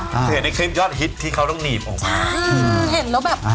คือเห็นในเเกรมยอดฮิตที่เขาต้องหนีบออกมา